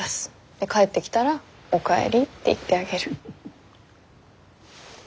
で帰ってきたらおかえりって言ってあげる。